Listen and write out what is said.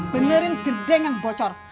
benerin gedeng yang bocor